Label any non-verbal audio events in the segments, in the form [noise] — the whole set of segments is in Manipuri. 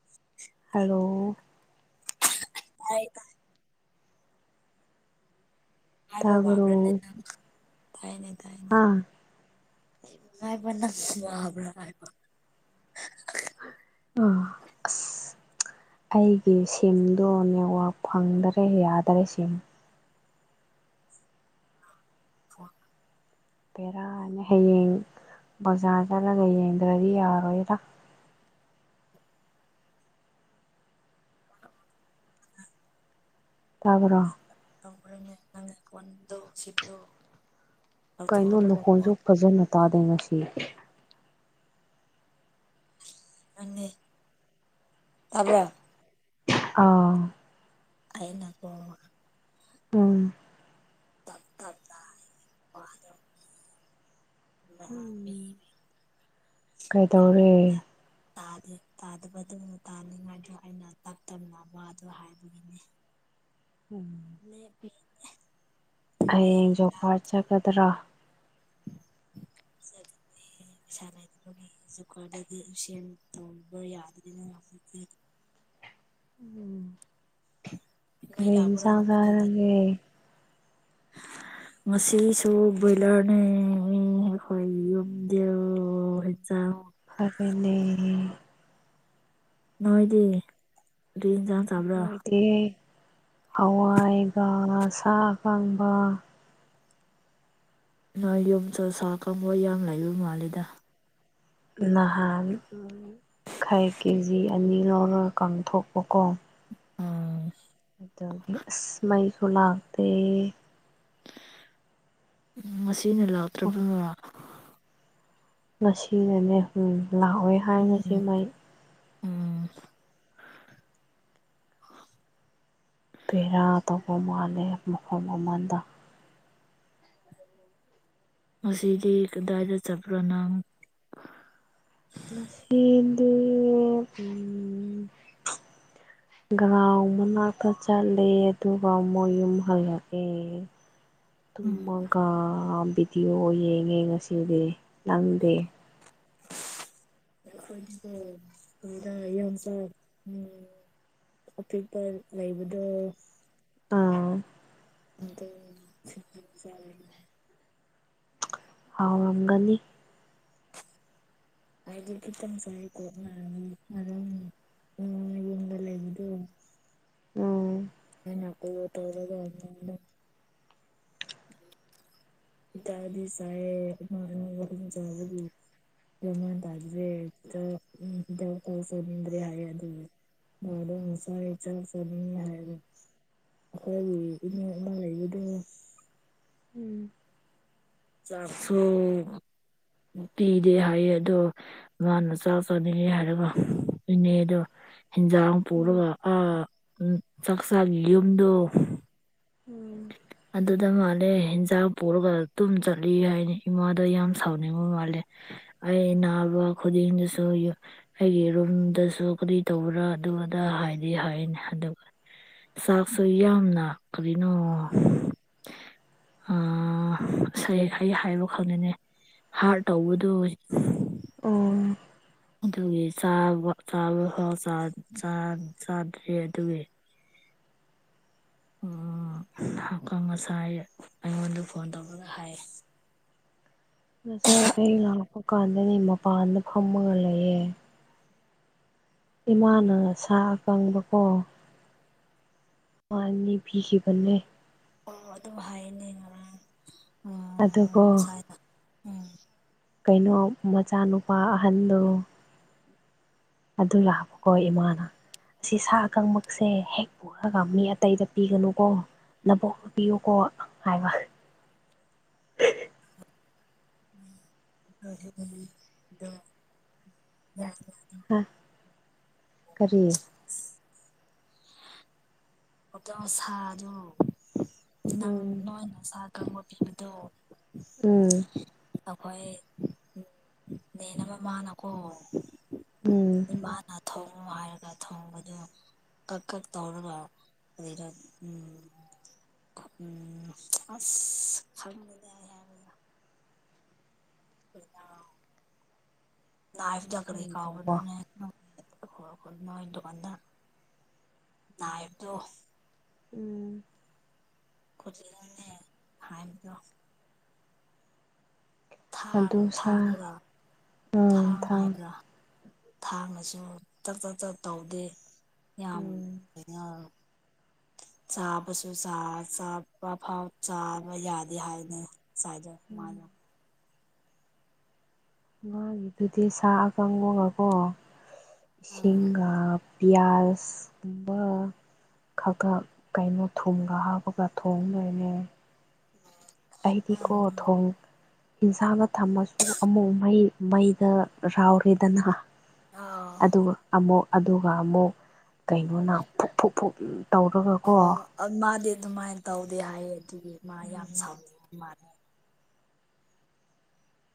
[inaudible] ꯍꯜꯂꫭ ꯇꯥꯏ [unintelligible] ꯉꯥꯏꯕ ꯋꯥꯕꯔꯅꯦ ꯇꯥꯕ꯭ꯔꯣ ꯅꯪ ꯇꯥꯏꯅꯦ ꯇꯥꯏ ꯍꯥ ꯉꯥꯏꯕ ꯅꯪ ꯋꯥꯕ꯭ꯔ ꯍꯥꯏꯕ ꯑꯣ ꯑꯁ ꯑꯩꯒꯤ ꯁꯤꯝꯗꯣ ꯅꯦꯠꯋꯦꯦꯛ ꯐꯪꯗꯔꯦ ꯌꯥꯗꯔꯦ ꯁꯤꯝ [unintelligible] ꯕꯦꯔꯥꯅꯦ ꯍꯌꯦꯡ ꯕꯖꯥꯔ ꯆꯠꯂꯒ ꯌꯦꯡꯗ꯭ꯔꯗꯤ ꯌꯥꯔꯣꯏꯗ ꯇꯥꯕ꯭ꯔꯣ [unintelligible] ꯀꯣꯟꯗꯣ ꯁꯤꯝꯗꯣ ꯀꯩꯅꯣꯃꯈꯣꯟꯁꯨ ꯐꯖꯅ ꯇꯥꯗꯦ ꯉꯁꯤ ꯅꯪꯅꯤ ꯇꯥꯕ꯭ꯔ ꯑꯥꯎ ꯑꯩꯅꯥ ꯀꫭ ꯎꯝꯝ ꯇꯞ [unintelligible] ꯎꯝ [unintelligible] ꯀꯩꯗꯧꯔꯦ ꯇꯥꯗ° ꯇꯥꯅꯤꯡꯉꯥꯏꯗꯣ ꯑꯩꯅ ꯇꯞꯅꯥ ꯇꯞꯅꯥ ꯋꯥꯗꫭ ꯍꯥꯏꯕꯒꯤꯅꯤ ꯎꯝꯝ [unintelligible] [inaudible] ꯃꯩ ꯍꯌꯦꯡ ꯖꯣꯞ ꯀꯔꯥꯠ ꯂꯥꯛꯇ꯭ꯔꯒ ꯆꯠꯒꯗ꯭ꯔꯥ [unintelligible] [inaudible] ꯑꯩ ꯄꯩꯁꯥ ꯂꯩꯇꯕꯒꯤ ꯖꯨꯀꯥꯔꯗꯗꯤ ꯁꯦꯝ ꯇꯣꯡꯧꯕ ꯌꯥꯗꯅꯤꯅ ꯍꯧꯖꯤꯛꯇꯤ ꯎꯝ ꯃꯩ ꯀꯔꯤ ꯂꯥꯛꯄ꯭ꯔꯥ ꯏꯟꯁꯥꯡ ꯅꯣꯏ ꯀꯥꯟꯗ ꯆꯥꯔꯒꯦ [inaudible] ꯉꯁꯤꯁꯨ ꯕ꯭ꯔꯣꯏꯂꯔꯅꯦ ꯃꯤ ꯍꯣꯏ ꯌꯨꯝꯗꯣ [unintelligible] ꯐꯔꯦꯅꯦ ꯅꯣꯏꯗꯤ ꯀꯔꯤ ꯏꯟꯁꯥꯡ ꯆꯥꯕ꯭ꯔ ꯑꯦ ꯍꯋꯥꯏꯒ ꯁꯥ ꯑꯀꯪꯕ ꯅꯣꯏ ꯌꯨꯝꯁꯨ ꯁꯥ ꯑꯀꯪꯕ ꯌꯥꯝ ꯂꯩꯕ ꯃꯥꯜꯂꯤꯗ ꯅꯍꯥꯟ ꯈꯩ ꯀꯦꯖꯤ ꯑꯅꯤ ꯂꯧꯔꯒ ꯀꯥꯡꯊꯣꯛꯄꯀꯣ ꯑꯝ ꯑꯗꯒꯤ ꯑꯁ ꯃꯩꯁꯨ ꯂꯥꯛꯇꯦ ꯎꯝ ꯉꯁꯤꯅ ꯂꯥꯛꯇ꯭ꯔꯕꯔ‌ꯣ ꯉꯁꯤꯅꯅꯦ ꯎꯝ ꯂꯥꯛꯑꯣꯏ ꯍꯥꯏ ꯉꯁꯤ ꯎꯝ ꯃꯩ ꯎꯝ ꯀꯔꯤꯔꯥ ꯇꯧꯕ ꯃꯥꯜꯂꯦ ꯃꯐꯝ ꯑꯃꯗ ꯉꯁꯤꯗꯤ ꯀꯗꯥꯏꯗ ꯆꯠꯄ꯭ꯔ ꯅꯪ ꯉꯁꯤꯗꯤ ꯎꯝ ꯒ꯭ꯔꯥꯎꯟ ꯃꯅꯥꯛꯇ ꯆꯠꯂꯦ ꯑꯗꯨꯒ ꯃ‌ꯣꯏ ꯌꯨꯝ ꯍꯜꯂꯛꯑꯦ ꯇꯨꯝꯃꯒ ꯚꯤꯗꯤꯑꯣ ꯌꯦꯡꯉꯦ ꯉꯁꯤꯗꯤ ꯅꯪꯗꯤ [inaudible] ꯑꯄꯤꯛꯄ ꯂꯩꯕꯗꯣ ꯑꯥ [unintelligible] ꯍꯥꯎꯔꯝꯒꯅꯤ ꯍꯥꯏꯗꯤ ꯈꯤꯇꯪ [inaudible] ꯌꯨꯝꯗ ꯂꯩꯕꯗꯣ ꯑꯣ [inaudible] [inaudible] ꯈꯤꯇꯥꯗꯤ ꯆꯥꯏꯌ‌ꯦ ꯑꯃ ꯑꯅꯤ ꯑꯍꯨꯝ [inaudible] ꯃꯦꯜ ꯃꯥꯟ ꯇꯥꯗꯔ‌ꯦ [unintelligible] ꯇꯧꯅꯤꯡꯗꯔ‌ꯦ ꯍꯥꯏꯌ‌ꯦ ꯑꯗꯨ ꯃꯥꯗ‌ꯣ ꯉꯁꯥꯏ ꯆꯥꯛ ꯆꯥꯅꯤꯡꯉ‌ꯦ ꯍꯥꯏꯕ ꯑꯩꯈꯣꯏꯒꯤ ꯏꯃꯨꯡ ꯑꯃ ꯂꯩꯕꯗꯨ ꯎꯝ ꯆꯥꯛꯁꯨ ꯄꯤꯗꯦ ꯍꯥꯏꯌꯦ ꯑꯗꯣ ꯃꯥꯅ ꯆꯥꯛ ꯆꯥꯅꯤꯡꯉꯦ ꯍꯥꯏꯔꯒ ꯅ‌ꯦꯅꯦꯗꯣ ꯍꯦꯟꯖꯥꯡ ꯎꯝ ꯄꯨꯔꯒ ꯑ ꯎꯝ ꯆꯥꯛꯆꯥꯥꯒꯤ ꯌꯨꯝꯗꯣ ꯎꯝ ꯑꯗꯨꯗ ꯃꯥꯜꯂꯦ ꯍ‌ꯦꯟꯖꯥꯡ ꯄꯨꯔꯒ ꯇꯨꯝ ꯆꯠꯂꯤ ꯍꯥꯏꯅꯤ ꯏꯃꯥꯗ ꯌꯥꯝ ꯁꯥꯎꯅꯤꯡꯕ ꯃꯥꯜꯂꯦ ꯑꯩ ꯅꯥꯕ ꯈꯨꯗꯤꯡꯗꯁꯨ ꯌꯨ ꯑꯩꯒꯤ ꯔꯨꯝꯗꯁꯨ ꯀꯔꯤ ꯇꯧꯕ꯭ꯔꯥ ꯑꯗꯨ ꯑꯗ ꯍꯥꯏꯗꯤ ꯍꯥꯏꯔꯤꯅꯤ ꯑꯗꯨ ꯆꯥꯛꯁꯨ ꯌꯥꯝ ꯅꯥ ꯀꯔꯤꯅꯣ ꯑꯥ ꯑꯁ ꯑꯩ ꯑꯩ ꯍꯥꯏꯕ ꯈꯪꯗ‌ꯦꯅꯦ ꯍꯥꯔꯠ ꯇꯧꯕꯗꯣ ꯎꯝ ꯑꯗꯨꯒꯤ ꯆꯥꯕ ꯆꯥꯕ ꯈꯔꯛ ꯆꯥ ꯆꯥ ꯆꯥ ꯆꯥꯗ꯭ꯔ‌ꯦ ꯑꯗꯨꯒꯤ ꯎꯝ ꯀ ꯉꯁꯥꯏ ꯑꯩꯉꯣꯟꯗ ꯐꯣꯟ ꯇꯧꯔꯒ ꯍꯥꯏꯌ‌ꯦ ꯉꯁꯥꯏ ꯑꯩ ꯂꯥꯛꯄ ꯀꯥꯟꯗꯗꯤ ꯃꯄꯥꯟꯗ ꯐꯝꯃꯒ ꯂꯩꯌꯦ ꯏꯃꯥꯅ ꯁꯥ ꯑꯀꯪꯕꯀꯣ ꯑꯃ ꯑꯅꯤ ꯄꯤꯈꯤꯕꯅꯦ ꯑꯣ ꯑꯗꯨꯝ ꯍꯥꯏꯅꯦ ꯉꯔꯥꯡ ꯎꯝ ꯑꯗꯨꯒꯣ ꯎꯝ ꯁꯥꯏꯗ ꯎꯝ ꯀꯩꯅꯣ ꯃꯆꯥꯅꯨꯄꯥ ꯑꯍꯟꯗꯣ ꯑꯗꯨ ꯂꯥꯛꯄꯀ‌ꯣ ꯏꯃꯥꯅ ꯑꯁꯤ ꯁꯥ ꯑꯀꯪꯕꯃꯛꯁꯦ ꯍꯦꯛ ꯄꯨꯔꯒ ꯃꯤ ꯑꯇꯩꯗ ꯄꯤꯒꯅꯨꯀꯣ ꯅꯕ‌ꯣꯛꯇ ꯄꯤꯌꯨꯀꯣ ꯍꯥꯏꯕ [inaudible] ꯑꯥ ꯀꯔꯤ ꯑꯗꯣ ꯁꯥꯗ‌ꯣ ꯅꯪ ꯎꯝ ꯅꯣꯏꯅ ꯁꯥ ꯑꯀꯪꯕ ꯄꯤꯕꯗꯣ ꯎꯝ ꯑꯩꯈꯣꯏ [unintelligible] ꯃꯦꯟꯅꯕ ꯃꯥꯅꯀꯣ ꯎꯝ ꯏꯃꯥꯅ ꯊꯣꯡꯉꯣ ꯍꯥꯏꯔꯒ ꯊꯣꯡꯕꯗꯨ ꯀꯛ ꯀꯛ ꯇꯧꯔꯒ ꯂꯩꯔꯛ ꯎꯝ ꯎꯝ ꯑꯁ [unintelligible] [unintelligible] ꯅꯥꯏꯐꯇ ꯀꯔꯤ ꯀꯥꯎꯕꯅꯣꯅꯦ [unintelligible] ꯈꯣꯏꯈꯣꯏ ꯅꯣꯏ ꯗꯨꯀꯥꯟꯗ ꯅꯥꯏꯕꯗꯣ ꯎꯝ ꯈꯨꯂꯅꯦ ꯍꯥꯏꯕꯗꯣ ꯊꯥꯡ ꯑꯗꯨ ꯁꯥ ꯊꯥꯡꯕ꯭ꯔꯥ ꯎꯝ ꯊꯥꯡ ꯊꯥꯎ ꯍꯥꯏꯕ꯭ꯔꯥ ꯊꯥꯡꯅꯁꯨ ꯆꯛ ꯆꯠ ꯆꯠ ꯇꯧꯗꯦ ꯌꯥꯝ ꯎꯝ ꯀꯩꯅ ꯆꯥꯕꯁꯨ ꯆꯥꯕ ꯐꯥꯎ ꯆꯥꯕ ꯌꯥꯗꯦ ꯍꯥꯏꯅꯦ ꯁꯥꯖ ꯎꯝ ꯃꯥꯗꯣ ꯃꯥꯒꯤꯗꯨꯗꯤ ꯁꯥꯥ ꯑꯀꯡꯕꯒꯀꯣ ꯑꯥ ꯏꯁꯤꯡꯒ ꯄꯤꯌꯥꯁꯀꯨꯝꯕ ꯈꯛꯇ ꯀꯩꯅꯣ ꯊꯨꯝꯒ ꯍꯥꯞꯄꯒ ꯊꯣꯡꯗꯣꯏꯅꯦ ꯎꯝ ꯥꯑꯩꯗꯤ ꯀꯣ ꯊꯣꯡ ꯏꯟꯁꯥꯡꯒ ꯊꯝꯃꯁꯨ ꯑꯃꯨꯛ ꯃꯩ ꯃꯩꯗ ꯂꯧꯔꯦꯗꯅ ꯑꯥ ꯑꯗꯨꯒ ꯑꯃꯨꯛ ꯑꯗꯨꯒ ꯑꯃꯨꯛ ꯀꯩꯅꯣꯅ ꯐꯨꯛ ꯐꯨꯛ ꯐꯨꯛ ꯇꯧꯔꯒꯀꯣ ꯑꯣ ꯃꯥꯗꯤ ꯑꯗꯨꯃꯥꯏꯅ ꯇꯧꯗꯦ ꯍꯥꯏꯌꯦ ꯑꯗꯨꯒꯤ ꯃꯥ ꯌꯥꯝ ꯎꯝ ꯁꯥꯎꯅꯤꯡꯕ ꯃꯥꯜꯂꯦ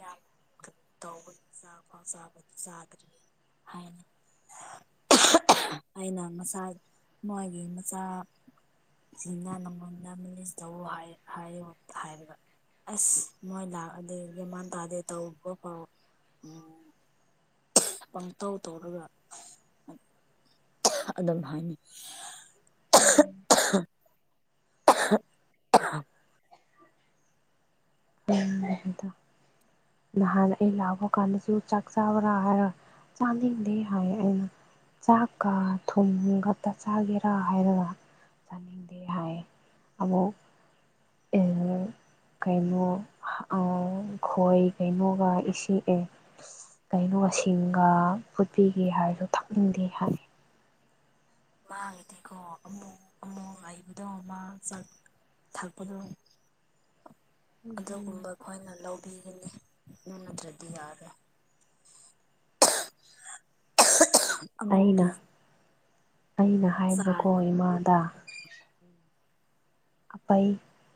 ꯌꯥꯝ ꯇꯧꯕ ꯆꯥꯛ ꯈꯣꯡ ꯆꯥꯕꯗꯨ ꯆꯥꯗ꯭ꯔꯤ ꯍꯥꯏꯅꯦ ꯑꯩꯅ ꯃꯆꯥꯥ ꯃꯣꯏꯒꯤ ꯃꯆꯥ ꯁꯤꯅ ꯅꯃꯣꯟꯗ ꯃꯦꯅꯦꯖ ꯇꯧ ꯍꯥꯏꯌꯣ ꯍꯥꯏꯕ ꯑꯁ ꯃꯣꯏ ꯂꯥꯛꯑꯗꯤ ꯃꯦꯟ ꯃꯜ ꯇꯥꯗꯦ ꯇꯧꯕ ꯐꯥꯎ ꯎꯝ ꯄꯪꯇꯧ ꯇꯧꯔꯒ ꯑꯗꯨꯝ ꯍꯥꯏꯅꯤ ꯎꯝ ꯅꯥꯍꯥꯟ ꯑꯩ ꯂꯛꯄ ꯀꯥꯟꯁꯨ ꯆꯛ ꯆꯕ꯭ꯔ ꯆꯥꯗꯦ ꯍꯥꯏꯌꯦꯅ ꯆꯥꯛꯀ ꯊꯨꯝ ꯈꯛꯇ ꯆꯥꯒꯦꯔꯥ ꯍꯥꯏꯔꯒ ꯆꯥꯅꯤꯡꯗꯦ ꯍꯥꯏ ꯑꯕꯣ ꯀꯥꯏꯃꯣ ꯈꯣꯏ ꯀꯩꯅꯣꯒ ꯏꯁꯦ ꯀꯩꯅꯣꯒ ꯁꯤꯡꯒ ꯐꯨꯠꯄꯤꯒꯦ ꯍꯥꯏꯔꯁꯨ ꯊꯛꯅꯤꯡꯗꯦ ꯍꯥꯏ ꯃꯥꯥꯒꯤꯗꯤꯀꯣ ꯑꯃꯨꯛ ꯑꯃꯨꯛ ꯍꯥꯏꯕꯗꯣ ꯑꯃ ꯆꯛ ꯊꯛꯄꯗꯣ [inaudible] ꯑꯗꯨꯒꯨꯝꯕ ꯑꯩꯈꯣꯏꯅ ꯂꯧꯕꯤꯒꯅꯤ ꯑꯗꯨ ꯅꯠꯇꯔꯗꯤ ꯌꯥꯔꯣꯏ [inaudible] ꯑꯃꯨꯒꯤ ꯑꯩꯅ ꯑꯩꯅ ꯆꯥꯗ ꯍꯥꯏꯕꯀꯣ ꯏꯃꯥꯗ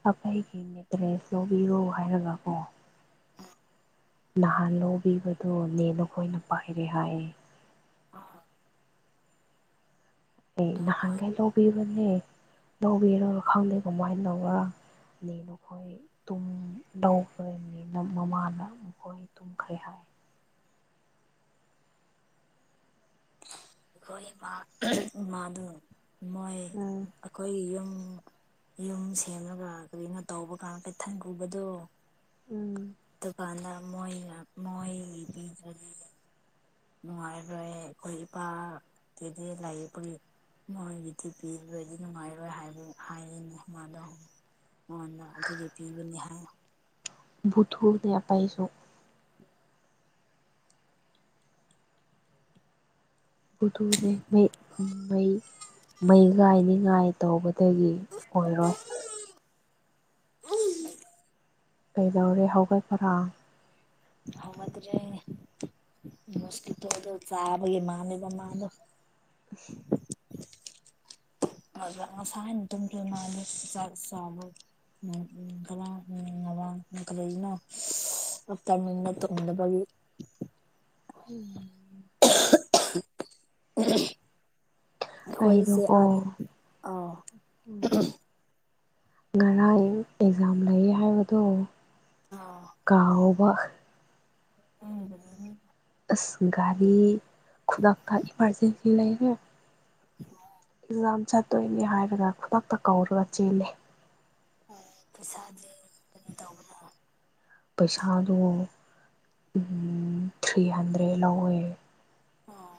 ꯑꯩꯒꯤꯅꯦꯇ꯭ꯔꯦꯁ ꯂꯧꯕꯤꯔꯣ ꯍꯥꯏꯔꯒꯀꯣ ꯎꯝ ꯅꯍꯥꯟ ꯂꯤꯕꯗꯣꯅꯦ ꯅꯈꯣꯏꯅ ꯄꯥꯏꯔꯦ ꯍꯥꯏꯌꯦ ꯑꯝ ꯅꯍꯥꯟꯒꯦ ꯂꯧꯕꯤꯌꯨ ꯈꯅꯦ ꯂꯧꯕꯤꯔ ꯈꯪꯗꯦ ꯀꯃꯥꯏꯅ ꯇꯧꯔꯅꯦ ꯅꯈꯣꯏ ꯑꯩ ꯇꯨꯝꯗꯧꯈ꯭ꯔꯅꯤꯅ ꯃꯃꯥꯅ ꯃꯈꯣꯏ ꯇꯨꯝꯈꯩ ꯍꯥꯏ ꯑꯩꯈꯣꯏ ꯏꯃꯥ ꯏꯃꯥꯗ ꯃꯣꯏ ꯎꯝ ꯑꯩꯈꯣꯏ ꯌꯨꯝ ꯌꯨꯝ ꯁꯦꯝꯃꯒ ꯀꯅꯣ ꯇꯧꯕ ꯀꯥꯟ ꯀꯩꯊꯟ ꯄꯨꯕꯗꯣ ꯎꯝ ꯑꯗꯨꯒꯀꯥꯟꯗ ꯃꯣꯏ ꯃꯣꯏꯔꯦ ꯅꯨꯡꯉꯥꯏꯔꯣꯏ ꯑꯩꯈꯣꯏ ꯏꯄꯥꯀꯤꯗꯤ ꯂꯄꯒꯤ ꯃꯣꯏꯒꯤꯕꯤꯊꯤ ꯄꯤꯕꯗꯤ ꯅꯨꯡꯉꯥꯏꯔꯣꯏ ꯍꯥꯏꯕ ꯍꯥꯏꯔꯤꯅꯦ ꯃꯥꯗꯣ ꯑꯣꯗ ꯑꯗꯨꯗꯤ ꯄꯤꯕꯅꯤ ꯍꯥꯏꯌꯣ ꯕꯨꯠꯊꯣꯛꯑ ꯑꯥꯄꯥꯏꯁꯨ ꯕꯨꯗꯨꯅꯦ ꯃꯩ ꯃꯩ ꯃꯩ ꯉꯥꯏꯅꯤ ꯉꯥꯏ ꯇꯧꯕꯗꯒꯤ ꯑꯣꯏꯔꯣꯏ ꯎ [unintelligible] ꯀꯩꯗꯧꯔꯦ ꯍꯥꯎꯒꯠꯄꯔꯥ ꯍꯧꯒꯠꯇ꯭ꯔꯦ ꯃꯣꯁꯀꯤꯇꯣ ꯑꯗꯨ ꯆꯥꯕꯒꯤ ꯃꯥꯅꯦꯕ ꯃꯥꯗꯣ [unintelligible] [inaudible] [unintelligible] ꯉꯁꯥꯏꯅ ꯇꯨꯝꯗꯔ꯭ꯤꯕꯥ ꯃꯜꯂꯦ ꯆꯥꯛ ꯆꯕꯒꯤ ꯎꯝ [unintelligible] [unintelligible] ꯀꯔꯤꯒꯤꯅꯣ ꯍꯞꯇꯥ ꯃꯤꯅ ꯇꯨꯝꯗꯕꯒꯤ [unintelligible] [inaudible] ꯑꯩꯈꯣꯏꯁꯦ ꯑꯥꯗ ꯑꯥꯎ ꯎꯝ ꯉꯔꯥꯡ ꯑꯦꯛꯖꯥꯝ ꯂꯩ ꯍꯥꯏꯕꯗꯨꯣ ꯑꯥꯎ ꯀꯥꯎꯕ ꯎꯝ ꯑꯁ ꯒꯥꯔꯤ ꯈꯨꯗꯛꯇ ꯏꯃꯥꯔꯖꯦꯟꯁꯤ ꯂꯩꯔꯦ ꯑꯣ ꯂꯝ ꯆꯠꯇꯣꯏꯅꯦ ꯍꯥꯏꯔꯒ ꯈꯨꯗꯛꯇ ꯀꯧꯔꯒ ꯆꯦꯜꯂꯦ ꯍꯣꯏ ꯄꯩꯁꯥꯗꯤ ꯀꯩ ꯇꯧꯕꯔꯥ ꯄꯩꯁꯥꯗꯨ ꯊ꯭ꯔꯤ ꯍꯟꯗ꯭ꯔꯦꯗ ꯂꯧꯋꯦ ꯑꯣ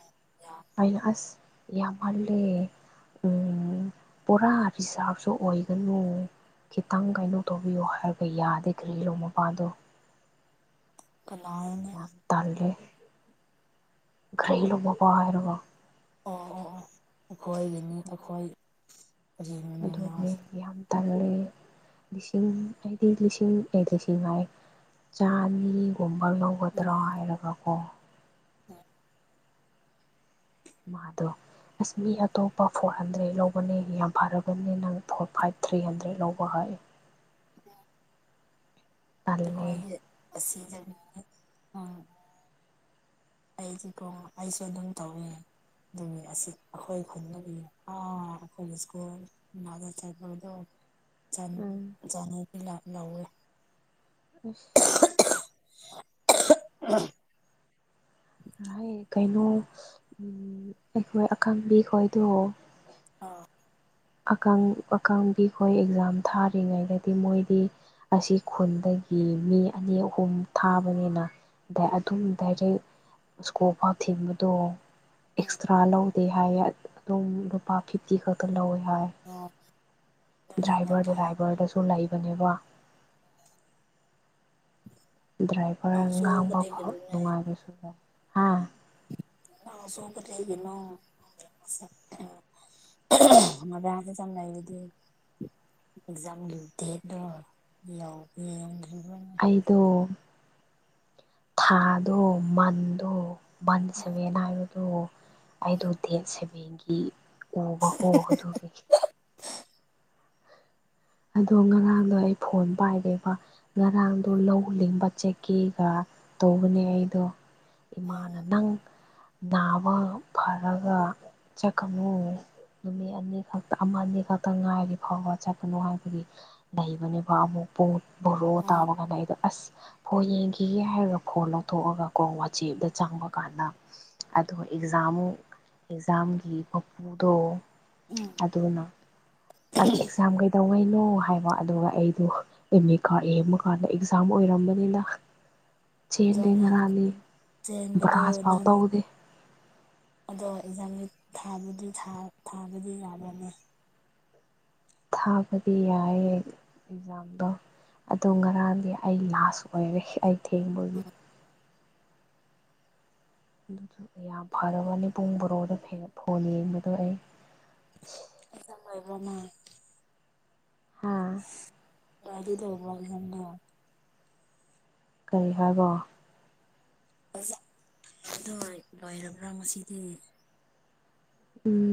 ꯌꯥꯝ ꯃꯥꯏ ꯑꯁ ꯌꯥꯝꯃꯜꯂꯦ ꯎꯝ ꯄꯨꯔꯥ ꯔꯤꯖꯥꯞꯁꯨ ꯑꯣꯏꯒꯅꯨ ꯈꯤꯇꯪ ꯀꯩꯅꯣ ꯇꯧꯕꯤꯌꯣ ꯍꯥꯏꯔꯒ ꯌꯥꯗꯦ ꯀ꯭ꯔꯤꯂꯣ ꯃꯄꯥꯗꯣ ꯀꯅꯥꯔꯅꯦ ꯌꯥꯝ ꯇꯜꯂꯦ ꯀꯔꯤꯅꯣ ꯃꯃꯥ ꯍꯥꯏꯔꯒ ꯑꯣ ꯑꯣ ꯑꯣ ꯑꯩꯈꯣꯏꯒꯤꯅꯤ ꯑꯩꯈꯣꯏꯒꯤ ꯑꯗꯨꯅꯦ ꯌꯥꯝ ꯇꯥꯟꯂꯦ ꯂꯤꯁꯤꯡ ꯑꯩꯗꯤ ꯂꯤꯁꯤꯡ ꯑꯦ ꯂꯤꯁꯤꯡ ꯍꯥꯏ ꯆꯅꯤꯒꯨꯝꯕ ꯂꯧꯒꯗ꯭ꯔꯥ ꯍꯥꯏꯔꯒꯀꯣ ꯎꯝ ꯃꯥꯗꯣ ꯑꯁ ꯃꯤ ꯑꯇꯣꯞꯄ ꯐꯣꯔ ꯍꯟꯗ꯭ꯔꯦꯗ ꯂꯧꯕꯅꯦ ꯌꯥꯝ ꯐꯔꯕꯅꯤ ꯅꯪ ꯐꯣꯔ ꯐꯥꯏꯚ ꯊ꯭ꯔꯤ ꯍꯟꯗ꯭ꯔꯦꯗ ꯂꯧꯕ ꯍꯥꯏꯑꯦ ꯑꯝ ꯇꯜꯂꯦ ꯑꯩꯈꯣꯏꯗꯤ ꯑꯁꯤꯖꯅꯤ ꯎꯝ ꯑꯩꯁꯤ ꯀꯣ ꯑꯩꯁꯨ ꯑꯗꯨꯝ ꯇꯧꯏ ꯑꯗꯨꯅꯤ ꯑꯁꯤ ꯑꯩꯈꯣꯏ ꯈꯨꯟꯒꯤ ꯑꯥ ꯑꯩꯈꯣꯏꯒꯤ ꯁ꯭ꯀꯨꯜ ꯎꯟꯅꯕ ꯆꯠꯄꯥꯗꯣ ꯎꯝ ꯆꯥꯅꯤꯗꯤ [unintelligible] ꯂꯧꯋꯦ ꯏꯁ [unintelligible] [unintelligible] ꯀꯩꯅꯣ ꯑꯩꯈꯣꯏ ꯑꯀꯪꯕꯤꯈꯣꯏꯗꯣ ꯑꯥꯎ ꯑꯀꯪ ꯑꯀꯪꯕꯤꯈꯣꯏ ꯑꯦꯛꯖꯥꯝ ꯊꯥꯔꯤꯉꯩꯗꯗꯤ ꯃꯣꯏꯗꯤ ꯑꯁꯤ ꯈꯨꯟꯗꯒꯤ ꯃꯤ ꯑꯅꯤ ꯑꯍꯨꯝ ꯊꯥꯕꯅꯤꯅ ꯑꯗꯨꯝ ꯗꯥꯏꯔꯦꯛ ꯁꯀꯣꯜ ꯐꯥꯎ ꯊꯤꯟꯕꯗꯣ ꯎꯝ ꯑꯦꯛꯁꯇ꯭ꯔꯥ ꯂꯧꯗꯦ ꯍꯥꯏꯌꯦ ꯑꯗꯨꯝ ꯂꯨꯄꯥ ꯐꯤꯐꯇꯤ ꯈꯛꯇ ꯂꯧꯋꯦ ꯍꯥꯏ [unintelligible] ꯑꯗꯨꯗꯤ ꯌꯥꯝ ꯗ꯭ꯔꯥꯏꯚꯔꯗ ꯐꯩ ꯗ꯭ꯔꯥꯏꯚꯔꯗꯁꯨ ꯂꯩꯕꯅꯦꯕ [inaudible] ꯗ꯭ꯔꯥꯏꯚꯔ ꯅꯪꯁꯨ ꯉꯥꯡꯕꯈꯣ ꯀꯔꯤꯒꯤꯅꯣꯅꯦ ꯅꯨꯡꯉꯥꯏꯕꯁꯨ ꯍꯥ ꯑ ꯁꯣꯄ ꯆꯩꯒꯅꯣ ꯃꯗꯗ ꯆꯅꯕꯗꯤ ꯑꯦꯛꯖꯥꯝꯒꯤ ꯗꯦꯠꯗꯣ ꯌꯥꯎꯒ ꯑꯩꯗꯣ ꯊꯥꯗꯣ ꯃꯟꯗꯣ ꯃꯟ ꯁꯦꯚꯦꯟ ꯍꯥꯏꯕꯗꯨꯣ ꯑꯩꯗ ꯗꯦꯠ ꯁꯦꯚꯦꯟꯒꯤ ꯑꯣꯕꯗꯒꯤ ꯑꯗꯣ ꯉꯔꯥꯡꯗꯣ ꯑꯩ ꯐꯣꯟ ꯄꯥꯏꯔꯦꯕ ꯉꯔꯥꯡꯗꯣ ꯂꯧꯅꯤꯡꯕ ꯆꯦꯛ ꯀꯦꯒ ꯇꯧꯕꯅꯦ ꯑꯩꯗꯣ ꯏꯃꯥꯅ ꯅꯪ ꯅꯥꯕ ꯐꯔꯒ ꯆꯠꯀꯅꯨ ꯅꯨꯃꯤꯠ ꯑꯅꯤ ꯈꯛꯇ ꯑꯃ ꯑꯅꯤ ꯈꯛꯇ ꯉꯥꯏꯔꯤ ꯐꯥꯎꯕ ꯆꯠꯀꯅꯨ ꯍꯥꯏꯕ ꯑꯩꯈꯣꯏꯒꯤ ꯂꯩꯕꯅꯦꯕ ꯑꯃꯨꯛꯄ ꯕꯣꯔꯣ ꯑꯣ ꯇꯥꯕ ꯀꯥꯟꯗ ꯑꯩꯗꯣ ꯑꯁ ꯐꯣꯟ ꯌꯦꯡꯈꯤꯒꯦ ꯍꯥꯏꯔꯒ ꯐꯣꯟ ꯂꯧꯊꯣꯛꯑꯒꯀꯣ ꯋꯥꯆꯦꯞꯇ ꯆꯪꯕ ꯀꯥꯟꯗ ꯑꯗꯣ ꯑꯦꯛꯖꯥꯝ ꯑꯦꯛꯖꯥꯝꯒꯤ ꯃꯄꯨꯗꯣ ꯎꯝ ꯑꯗꯨꯅ ꯑꯦꯛꯖꯥꯝ ꯀꯩꯗꯧꯉꯩ ꯍꯥꯏꯕ ꯑꯗꯨꯒ ꯑꯩꯗꯣ ꯑꯦꯃꯤꯀꯥꯠ ꯌꯦꯕ ꯀꯥꯟꯗ ꯑꯦꯛꯖꯥꯝ ꯑꯣꯏꯔꯝꯕꯅꯤꯅ ꯑꯣꯖꯥ ꯆꯦꯂꯦ ꯅꯪ ꯉꯔꯥꯡꯅꯤ ꯆꯦꯟꯕꯗꯣ ꯕꯔꯥꯁ ꯄꯥꯎ ꯅꯪ ꯇꯧꯗ ꯑꯗꯣ ꯑꯦꯛꯖꯥꯝꯁ ꯊꯥꯕꯗꯤ ꯊꯥꯕꯗꯤ ꯌꯥꯕꯅꯦ ꯊꯥꯕꯗꯤ ꯌꯥꯏ ꯑꯦꯛꯖꯥꯝꯗꯣ ꯑꯗꯨ ꯉꯔꯥꯡꯗꯤ ꯑꯩ ꯂꯥꯁ ꯑꯣꯏꯔꯦ ꯑꯩ ꯊꯦꯡꯕꯒꯤ ꯑꯗꯨꯁꯨ ꯌꯥꯝ ꯐꯔꯕꯅꯤ ꯄꯨꯡ ꯕꯣꯔꯣꯗ ꯐꯣꯟ ꯌꯦꯡꯕꯗꯣ ꯑꯩ ꯑꯣꯖ ꯃꯥꯏꯕ꯭ꯔꯣ ꯅꯪ ꯍꯥꯥ ꯗꯤꯗ ꯋꯥ ꯊꯟꯗ ꯀꯔꯤ ꯍꯥꯏꯕ [unintelligible] ꯑꯗꯨ ꯂꯣꯏꯔꯕ꯭ꯔꯥ ꯉꯁꯤꯗꯤ ꯎꯝ